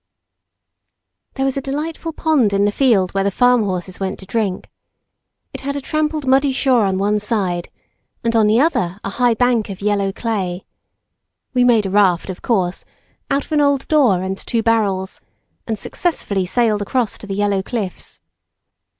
There was a delightful pond in the field where the farm horses went to drink. It had a trampled muddy shore on one side, and on the other a high bank of yellow clay. We made a raft, of course, out of an old door and two barrels, and successfully sailed across to the yellow cliffs.